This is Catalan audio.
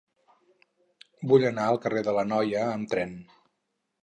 Vull anar al carrer de l'Anoia amb tren.